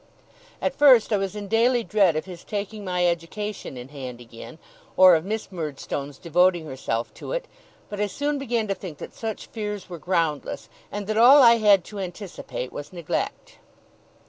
At first I was in daily dread of his taking my education in hand again, or of Miss Murdstone's devoting herself to it; but I soon began to think that such fears were groundless, and that all I had to anticipate was neglect.